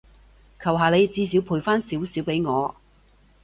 求下你，至少賠返少少畀我